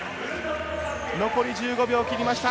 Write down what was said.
残り１５秒を切りました。